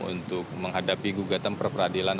untuk menghadapi gugatan perperadilan